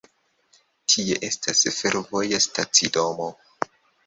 Tie estas fervoja stacidomo.